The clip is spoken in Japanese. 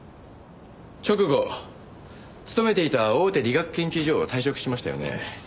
直後勤めていた大手理学研究所を退職しましたよね。